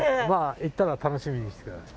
行ったら楽しみにしてください。